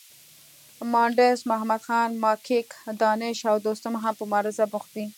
مانډس محمدخان، ماکیک، دانش او دوستم هم په مبارزه بوخت دي.